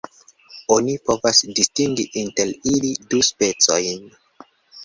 Oni povas distingi inter ili du specojn.